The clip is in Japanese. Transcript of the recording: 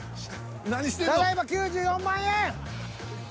ただいま９４万円。